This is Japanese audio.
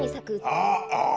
ああ。